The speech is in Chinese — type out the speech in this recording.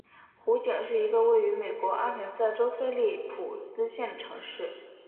湖景是一个位于美国阿肯色州菲利普斯县的城市。